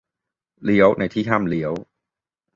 - เลี้ยวในที่ห้ามเลี้ยว